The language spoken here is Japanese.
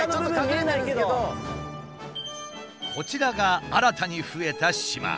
こちらが新たに増えた島。